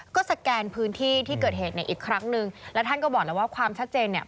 ก็สแกนพื้นที่ที่เกิดเหตุในอีกครั้งนึงแล้วท่านก็บอกแล้วว่าความชัดเจนเนี่ย